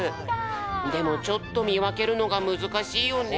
でもちょっとみわけるのがむずかしいよね。